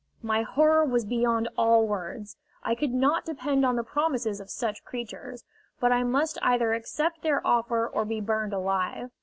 My horror was beyond all words. I could not depend on the promises of such creatures, but I must either accept their offer or be burned alive.